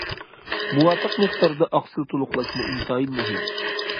مۇۋاپىق مىقداردا ئاقسىل تولۇقلاشمۇ ئىنتايىن مۇھىم.